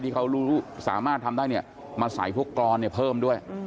ที่เขาสามารถทำได้เนี่ยมาใส่พวกกรอนเนี่ยเพิ่มด้วย